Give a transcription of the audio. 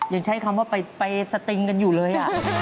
ยังใช้คำว่าไปสติงกันอยู่เลย